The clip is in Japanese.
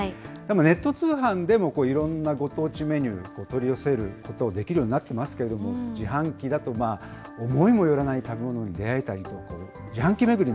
ネット通販でもいろんなご当地メニューを取り寄せること、できるようになっていますけれども、自販機だと、思いもよらない食べ物に出会えたりとか、自販機巡り